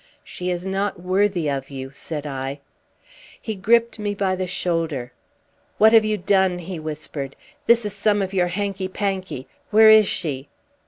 "She is not worthy of you," said I. He gripped me by the shoulder. "What have you done?" he whispered. "This is some of your hanky panky! Where is she?"